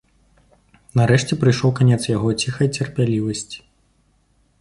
Нарэшце прыйшоў канец яго ціхай цярплівасці.